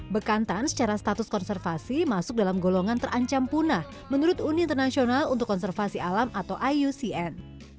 bekantan secara status konservasi masuk dalam golongan terancam punah menurut uni internasional untuk konservasi alam atau iucn